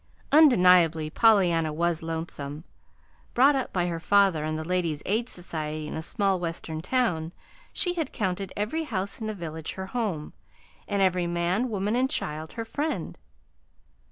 Undeniably Pollyanna was lonesome. Brought up by her father and the Ladies' Aid Society in a small Western town, she had counted every house in the village her home, and every man, woman, and child her friend.